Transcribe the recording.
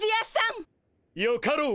よかろう。